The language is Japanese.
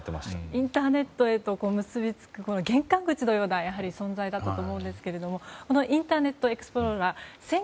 インターネットへと結びつく玄関口のような存在だったと思うんですがこのインターネットエクスプローラー